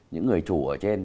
những người chủ ở trên